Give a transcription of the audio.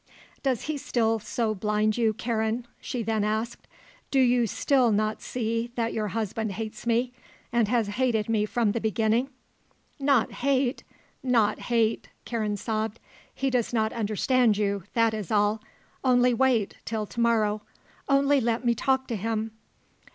"Does he still so blind you, Karen?" she then asked. "Do you still not see that your husband hates me and has hated me from the beginning?" "Not hate! Not hate!" Karen sobbed. "He does not understand you that is all. Only wait till to morrow. Only let me talk to him!"